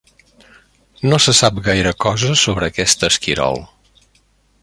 No se sap gaire cosa sobre aquest esquirol.